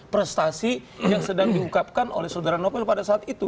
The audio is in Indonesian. prestasi yang sedang diungkapkan oleh saudara novel pada saat itu